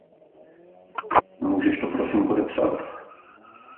Můžeš to prosím podepsat?